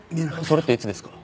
それっていつですか？